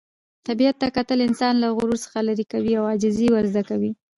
طبیعت ته کتل انسان له غرور څخه لیرې کوي او عاجزي ور زده کوي.